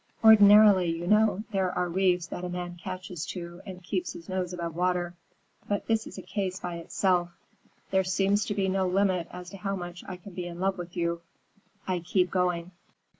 "Ordinarily, you know, there are reefs that a man catches to and keeps his nose above water. But this is a case by itself. There seems to be no limit as to how much I can be in love with you. I keep going."